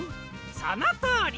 そのとおり！